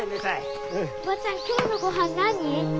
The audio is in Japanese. おばちゃん今日のごはん何？